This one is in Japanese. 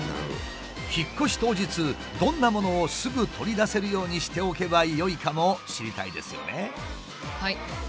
引っ越し当日どんなものをすぐ取り出せるようにしておけばよいかも知りたいですよね。